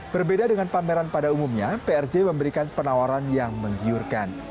berbeda dengan pameran pada umumnya prj memberikan penawaran yang menggiurkan